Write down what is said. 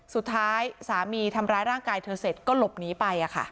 สุดท้ายสามีทำร้ายร่างกายเธอเสร็จก็หลบหนีไป